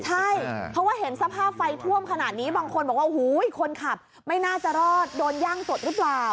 ใช่เพราะว่าเห็นสภาพไฟท่วมขนาดนี้บางคนบอกว่าโอ้โหคนขับไม่น่าจะรอดโดนย่างสดหรือเปล่า